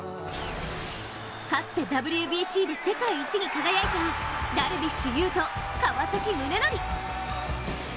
かつてＷＢＣで世界一に輝いたダルビッシュ有と川崎宗則。